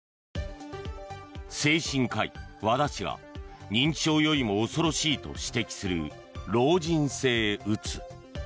精神科医・和田氏が認知症よりも恐ろしいと指摘する老人性うつ。